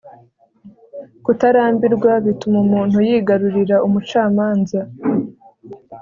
kutarambirwa bituma umuntu yigarurira umucamanza